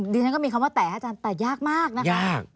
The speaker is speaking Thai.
ดิฉันก็มีคำว่าแตะให้อาจารย์แต่ยากมากนะคะ